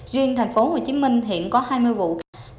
riêng tp hcm hiện có hai mươi vụ khiếu nại